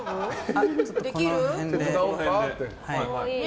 できる？